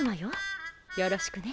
よろしくね。